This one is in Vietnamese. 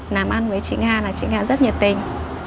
làm ăn với chị nga là chị nga rất nhiệt tình